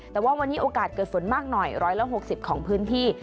แต่ว่าวันนี้โอกาสเกิดฝนมากหน่อย๑๖๐ของพื้นที่